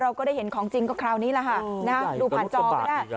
เราก็ได้เห็นของจริงก็คราวนี้ละฮะเออนะดูผ่านจอดอีกอ่ะ